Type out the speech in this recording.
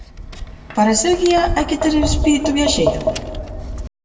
Para ser guía hai que ter espírito viaxeiro?